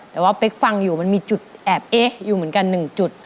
แต่ว่าเป๊กฟังอยู่มันมีจุดแอบเอ๊ะอยู่เหมือนกัน๑จุด